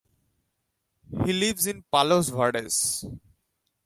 He lives in Palos Verdes.